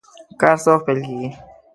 کار څه وخت پیل کیږي؟